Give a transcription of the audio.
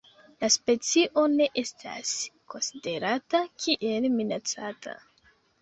La specio ne estas konsiderata kiel minacata.